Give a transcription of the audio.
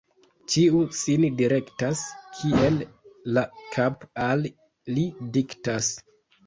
Ĉiu sin direktas, kiel la kap' al li diktas.